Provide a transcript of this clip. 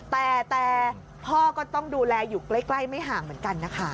แต่พ่อก็ต้องดูแลอยู่ใกล้ไม่ห่างเหมือนกันนะคะ